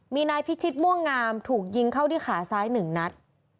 มีนายพิชิตม่วงงามถูกยิงเข้าที่ขาซ้าย๑นัด